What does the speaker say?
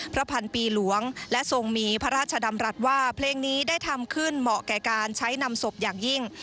พันปีหลวงและทรงมีพระราชดำรัฐว่าเพลงนี้ได้ทำขึ้นเหมาะแก่การใช้นำศพอย่างยิ่ง